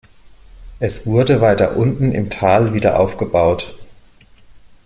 Es wurde weiter unten im Tal wieder aufgebaut.